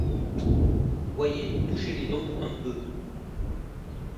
Voyez, touchez-les donc un peu !